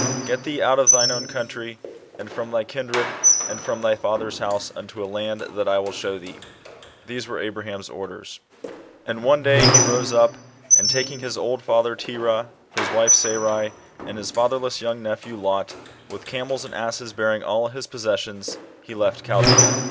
" Get thee out of thine own country, and from thy kindred, and from thy father's house,* unto a land that I will show thee." These were Abraham's orders. 4 ABRAHAMS JOURNEY. [B.C. 1921. And one day he 1 i*ose up, and taking his old father Tera?i, his wife Sarai, and his fatherless young nephew Lot, with camels and asses bearing all his possessions, he left Chaldea.